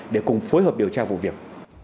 để cùng phối hợp điều tra vụ việc